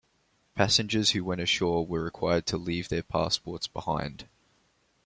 Passengers who went ashore were required to leave their passports behind.